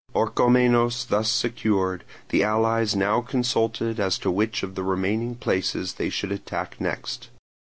Orchomenos thus secured, the allies now consulted as to which of the remaining places they should attack next.